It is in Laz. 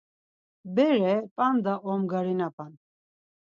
Bere p̌anda omgarinapan.